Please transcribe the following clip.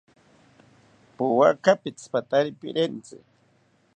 Powaka pitzipatari pirentzi